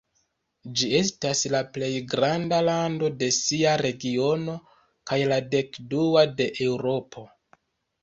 Ĝi estas la plej granda lando de sia regiono kaj la dekdua de Eŭropo.